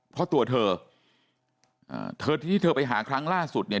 เพราะตัวเธออ่าเธอที่เธอไปหาครั้งล่าสุดเนี่ย